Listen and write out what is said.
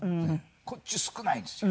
こっち少ないんですよ。